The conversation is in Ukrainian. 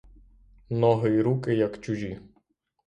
Ноги й руки як чужі.